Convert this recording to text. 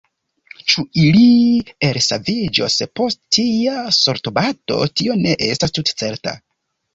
Ĉu ili elsaviĝos post tia sortobato, tio ne estas tute certa.